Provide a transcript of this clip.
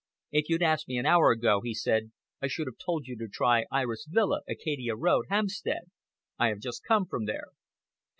"If you'd asked me an hour ago," he said, "I should have told you to try Iris Villa, Acacia Road, Hampstead. I have just come from there."